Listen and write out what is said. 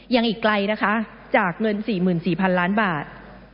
ยังอีกไกลนะคะจากเงิน๔๔๐๐๐ล้านบาท